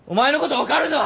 分かるのは！